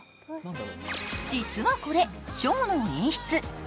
実はこれ、ショーの演出。